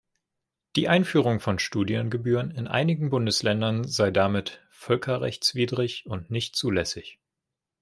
Die Einführung von Studiengebühren in einigen Bundesländern sei damit völkerrechtswidrig und nicht zulässig.